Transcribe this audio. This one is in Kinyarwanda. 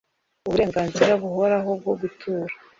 Uburenganzira buhoraho bwo gutura